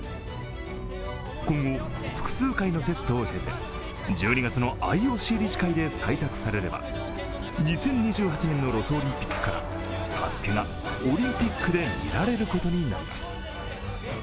今後、複数回のテストを経て、１２月のＩＯＣ理事会で採択されれば２０２８年のロスオリンピックから「ＳＡＳＵＫＥ」がオリンピックで見られることになります。